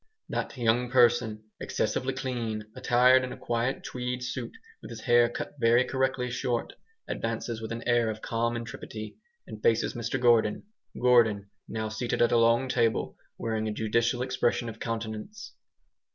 That young person, excessively clean, attired in a quiet tweed suit, with his hair cut very correctly short, advances with an air of calm intrepidity, and faces Mr Gordon. Gordon, now seated at a long table, wearing a judicial expression of countenance.